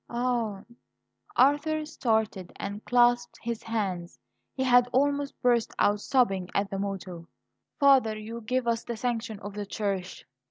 "Ah!" Arthur started and clasped his hands; he had almost burst out sobbing at the motto. "Father, you give us the sanction of the Church!